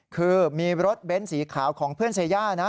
คือมีรถเบ้นสีขาวของเพื่อนเซย่านะ